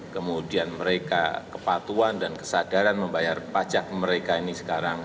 kemudian mereka kepatuhan dan kesadaran membayar pajak mereka ini sekarang